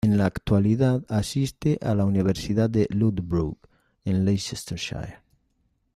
En la actualidad asiste a la Universidad de Loughborough en Leicestershire.